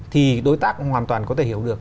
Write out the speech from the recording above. thì đối tác hoàn toàn có thể hiểu được